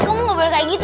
kamu gak boleh kayak gitu